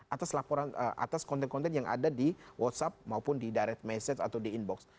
atas laporan atas konten konten yang ada di whatsapp maupun di direct message atau di inbox